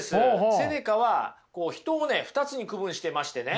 セネカはこう人を２つに区分してましてね